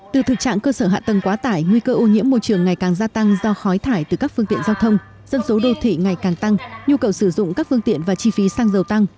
từ thực trạng cơ sở hạ tầng quá tải nguy cơ ô nhiễm môi trường ngày càng gia tăng do khói thải từ các phương tiện giao thông dân số đô thị ngày càng tăng nhu cầu sử dụng các phương tiện và chi phí xăng dầu tăng